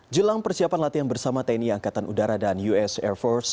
jelang persiapan latihan bersama tni angkatan udara dan us air force